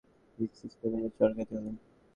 Sister, নিজের চরকায় তেল দিন।